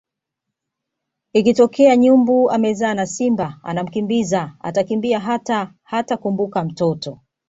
Ikitokea nyumbu amezaa na simba anamkimbiza atakimbia hata hatakumbuka mtoto